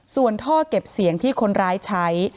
ส่วนท่อเก็บเสียงที่คนร้ายใช้